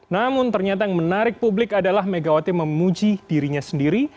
namun ternyata yang menarik publik adalah megawati memuji dirinya sendiri